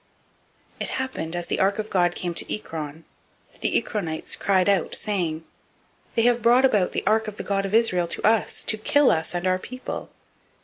It happened, as the ark of God came to Ekron, that the Ekronites cried out, saying, They have brought about the ark of the God of Israel to us, to kill us and our people.